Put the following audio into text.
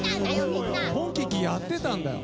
『ポンキッキ』やってたんだよ。